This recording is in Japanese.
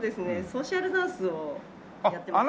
ソーシャルダンスをやってまして。